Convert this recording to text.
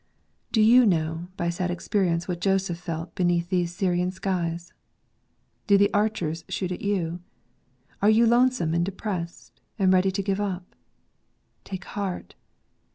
Do you know by sad experience what Joseph felt beneath those Syrian skies? Do the archers shoot at you? Are you lonesome and depressed, and ready to give up ? Take heart